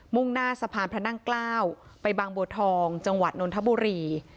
่งหน้าสะพานพระนั่งเกล้าไปบางบัวทองจังหวัดนนทบุรี